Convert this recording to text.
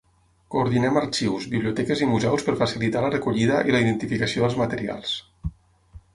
Coordinem arxius, biblioteques i museus per facilitar la recollida i la identificació dels materials.